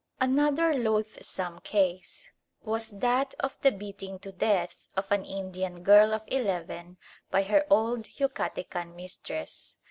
Another loathsome case was that of the beating to death of an Indian girl of eleven by her old Yucatecan mistress.